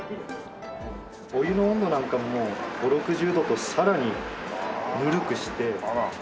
お湯の温度なんかももう５０６０度とさらにぬるくして。